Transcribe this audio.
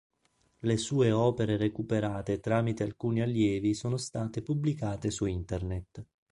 Le sue opere recuperate tramite alcuni allievi sono state pubblicate su Internet.